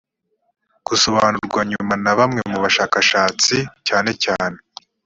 gusobanurwa nyuma na bamwe mu bashakashatsi cyanecyane